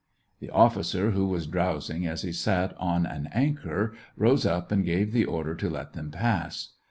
The officer, who was drowsing as he sat on an anchor, rose up and gave the order to let them pass.